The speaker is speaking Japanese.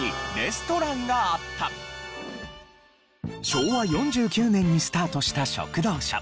昭和４９年にスタートした食堂車。